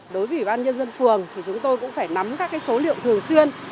đối với bàn nhân dân phường chúng tôi cũng phải nắm các số liệu thường xuyên